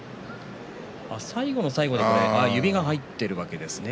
最後の最後に指が入っているわけですかね。